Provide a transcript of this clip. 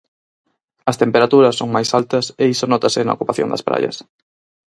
As temperaturas son máis altas e iso nótase na ocupación das praias.